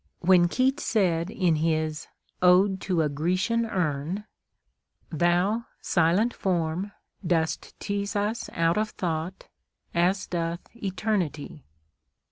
When Keats said in his "Ode to a Grecian Urn": Thou, silent form, dost tease us out of thought, As doth eternity